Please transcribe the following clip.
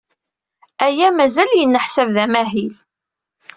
Aya mazal yenneḥsab d amahil.